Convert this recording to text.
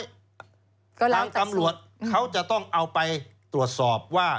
ก็ล้างจากสูตรทางกำลัวเขาจะต้องเอาไปตรวจสอบว่า